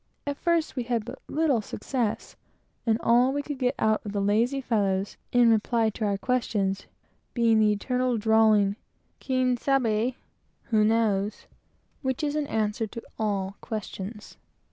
At first we had but little success, all that we could get out of the lazy fellows, in reply to our questions, being the eternal drawling "Quien sabe?" ("who knows?") which is an answer to all questions.